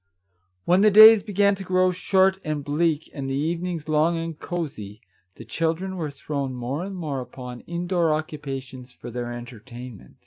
When the days began to grow short and bleak, and the evenings long and cosey, the children were thrown more and more upon indoor occupations for their entertainment.